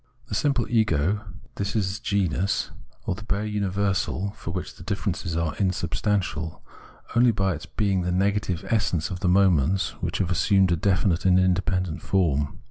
The simple ego is this genus, or the bare universal, for which the differences are insubstantial, only by its being the negative essence of the moments which have assumed a definite and independent form.